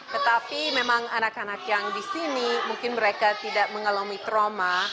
tetapi memang anak anak yang di sini mungkin mereka tidak mengalami trauma